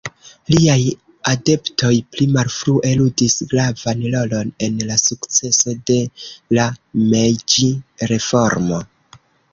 Liaj adeptoj pli malfrue ludis gravan rolon en la sukceso de la Mejĝi-reformo.